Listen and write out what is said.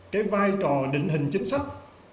cái vai trò định hình chính sách